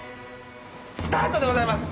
スタートでございます。